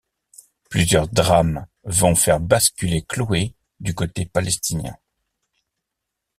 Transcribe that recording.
Plusieurs drames vont faire basculer Chloé du côté palestinien.